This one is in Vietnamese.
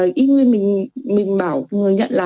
yên nguyên mình bảo người nhận là